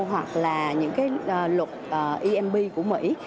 hoặc là những cái luật emp của mỹ